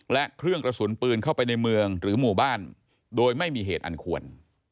และเครื่องกระสุนปืนเข้าไปในเมืองหรือหมู่บ้านโดยไม่มีเหตุอันควร